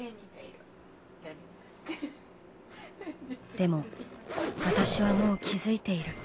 「でも私はもう気付いている。